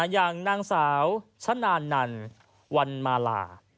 อย่างนางสาวชะนานันวันมาลา